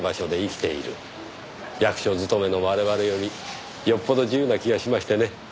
役所勤めの我々よりよっぽど自由な気がしましてね。